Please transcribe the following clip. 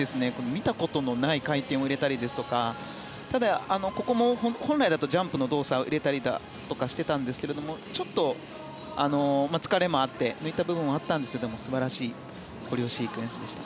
見たことのない回転を入れたりですとかただ、ここも本来だとジャンプの動作を入れたりしていたんですがちょっと疲れもあって抜いた部分もあったんですが素晴らしいコレオシークエンスでした。